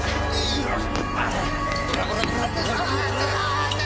よっ。